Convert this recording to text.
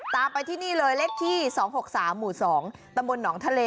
ตามไปที่นี่เลยเลขที่๒๖๓หมู่๒ตำบลหนองทะเล